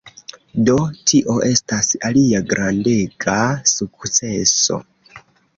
Do tio estas alia grandega sukceso.